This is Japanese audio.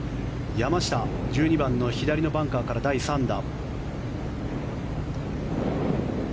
山下、１２番の左のバンカーから第３打。